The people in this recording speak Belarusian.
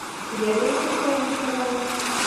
Ведаеце, што ён адказаў?